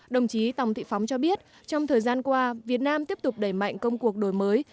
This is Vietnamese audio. đồng chí tòng thị phóng cho biết trong thời gian qua việt nam tiếp tục đẩy mạnh công cuộc đổi mới